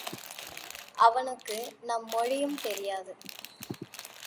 அவனுக்கு நம் மொழியும் தெரியாது.